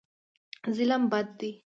ظلم بد دی.